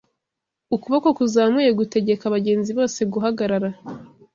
ukuboko kuzamuye gutegeka abagenzi bose guhagarara